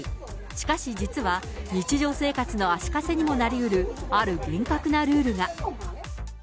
しかし、実は日常生活の足かせにもなりうる、ある厳格なルールが。